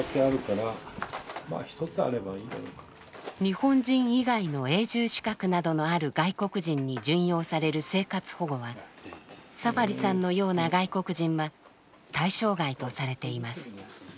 日本人以外の永住資格などのある外国人に準用される生活保護はサファリさんのような外国人は対象外とされています。